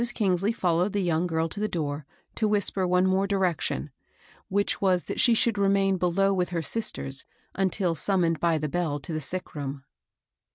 Kingsley followed the young girl to the door to whisper one more direction, which was that she should remain below with her sisters until summoned by the bell to the sick room.